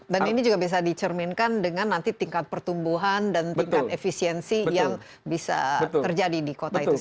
dan ini juga bisa dicerminkan dengan nanti tingkat pertumbuhan dan tingkat efisiensi yang bisa terjadi di kota itu sendiri